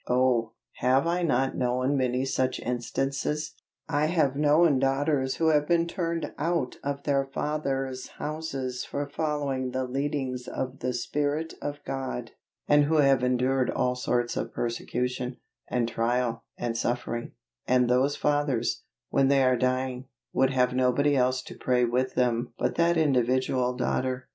Oh, have I not known many such instances. I have known daughters who have been turned out of their father's houses for following the leadings of the Spirit of God, and who have endured all sorts of persecution, and trial, and suffering, and those fathers, when they were dying, would have nobody else to pray with them but that individual daughter.